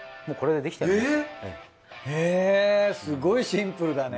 えっすごいシンプルだね。